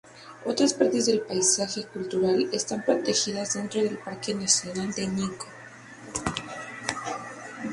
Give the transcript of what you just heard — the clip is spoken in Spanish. Otras partes del paisaje cultural están protegidos dentro del Parque Nacional de Nikkō.